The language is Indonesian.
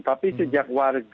tapi sejak warga